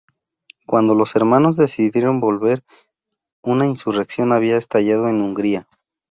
Cuando los hermanos decidieron volver, una insurrección había estallado en Hungría.